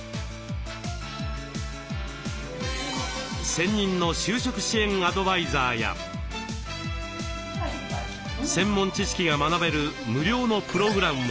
専任の就職支援アドバイザーや専門知識が学べる無料のプログラムも。